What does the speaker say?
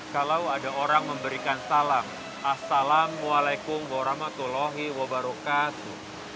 kalau ada orang memberikan salam assalamualaikum warahmatullahi wabarakatuh